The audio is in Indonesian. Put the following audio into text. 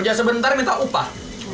kerja sebentar minta upah